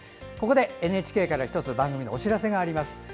ＮＨＫから番組のお知らせがあります。